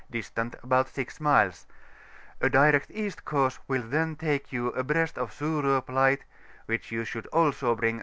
distant about 6 miles : a direct East course will then take you abreast of Surop Light, which you should also bring S.